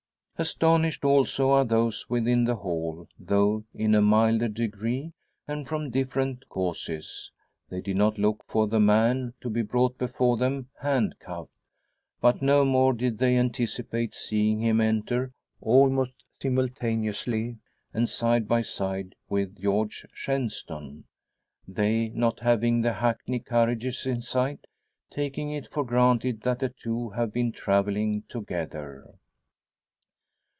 Astonished, also, are those within the hall, though in a milder degree, and from different causes. They did not look for the man to be brought before them handcuffed; but no more did they anticipate seeing him enter almost simultaneously, and side by side, with George Shenstone; they, not having the hackney carriages in sight, taking it for granted that the two have been travelling together.